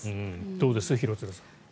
どうです廣津留さん。